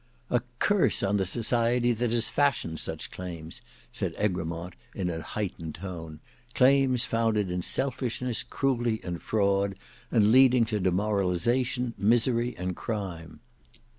"A curse on the society that has fashioned such claims." said Egremont in an heightened tone—"claims founded in selfishness, cruelty, and fraud, and leading to demoralization, misery, and crime."